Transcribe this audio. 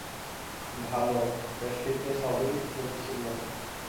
ভাল, ব্যষ্টিতে সবই গতিশীল বটে।